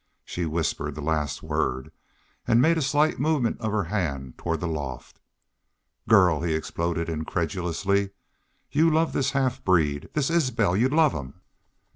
She whispered the last word and made a slight movement of her hand toward the loft. "Girl!" he exploded, incredulously. "Y'u love this half breed this ISBEL! ... Y'u LOVE him!"